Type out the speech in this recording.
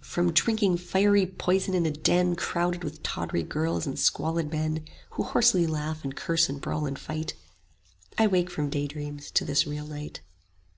From drinking fiery poison in a den Crowded with tawdry girls and squalid men, Who hoarsely laugh and curse and brawl and fight: I wake from daydreams to this real night.